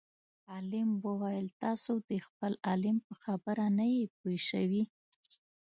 عالم وویل تاسو د خپل عالم په خبره نه یئ پوه شوي.